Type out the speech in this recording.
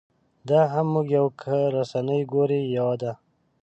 دا هم موږ یو که رسنۍ ګورې یوه ده.